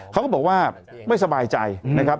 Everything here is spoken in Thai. เขาก็บอกว่าไม่สบายใจนะครับ